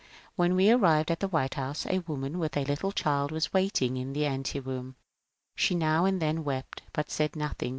When we arrived at the White House a woman with a little child was waiting in the anteroom. She now and then wept, but said nothing.